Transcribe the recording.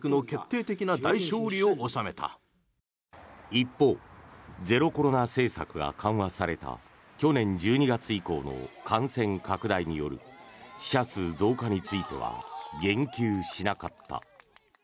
一方ゼロコロナ政策が緩和された去年１２月以降の感染拡大による死者数増加については言及しなかった。